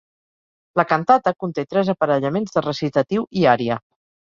La cantata conté tres aparellaments de recitatiu i ària.